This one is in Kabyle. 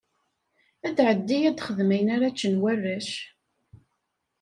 Ad tɛeddi ad texdem ayen ara ččen warrac.